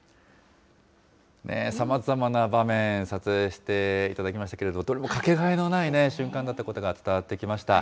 さまざまな場面、撮影していただきましたけれども、どれも掛けがえのない瞬間だったことが伝わってきました。